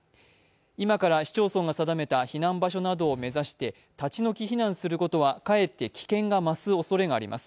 今から市町村が定めた避難所を目指して立ち退き避難することはかえって危険が増すおそれがあります。